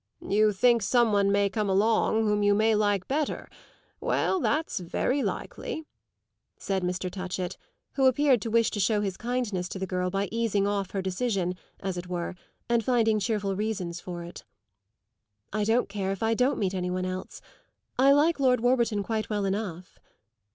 "You think some one may come along whom you may like better. Well, that's very likely," said Mr. Touchett, who appeared to wish to show his kindness to the girl by easing off her decision, as it were, and finding cheerful reasons for it. "I don't care if I don't meet any one else. I like Lord Warburton quite well enough."